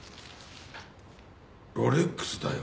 ロレックスだよ。